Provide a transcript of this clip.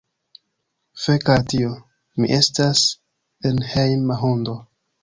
Fek' al tio. Mi estas enhejma hundo